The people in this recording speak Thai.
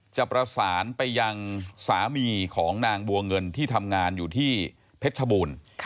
จะประสานไปยังสามีของนางบัวเงินที่ทำงานอยู่ที่เพชรชบูรณ์